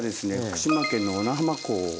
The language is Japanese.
福島県の小名浜港